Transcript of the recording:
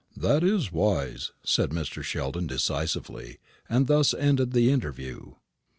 "That is wise," said Mr. Sheldon, decisively; and thus ended the interview.